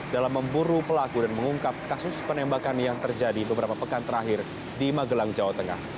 dalam memburu pelaku dan mengungkap kasus penembakan yang terjadi beberapa pekan terakhir di magelang jawa tengah